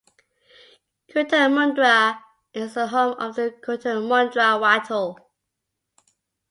Cootamundra is the home of the Cootamundra wattle.